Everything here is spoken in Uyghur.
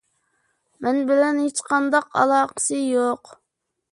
مەن بىلەن ھېچقانداق ئالاقىسى يوق.